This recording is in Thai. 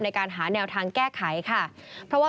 ในการหาแนวทางแก้ไขค่ะ